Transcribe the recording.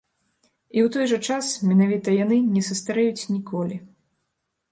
І, у той жа час, менавіта яны не састарэюць ніколі.